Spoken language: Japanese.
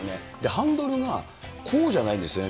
ハンドルがこうじゃないんですね。